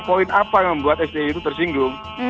poin apa yang membuat sti itu tersinggung